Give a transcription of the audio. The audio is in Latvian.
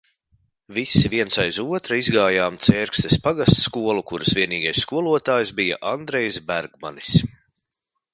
Visi viens aiz otra izgājām Cērkstes pagastskolu, kuras vienīgais skolotājs bija Andrejs Bergmanis.